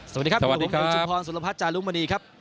สวัสดีครับผมชุมพรสุรพัฒนจารุมณีครับ